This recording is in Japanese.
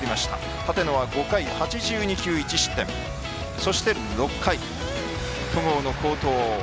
立野が５回８２球１失点そして６回戸郷の好投。